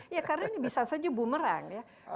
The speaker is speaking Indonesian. ya karena ini bisa saja bumerang ya